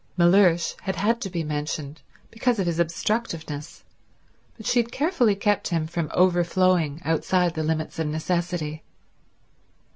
Mellersh had had to be mentioned, because of his obstructiveness, but she had carefully kept him from overflowing outside the limits of necessity.